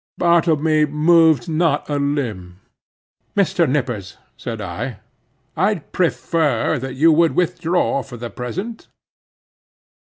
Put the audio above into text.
Bartleby moved not a limb. "Mr. Nippers," said I, "I'd prefer that you would withdraw for the present."